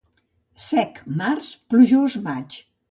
Sec març, plujós maig.